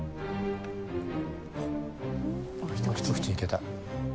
一口いけた。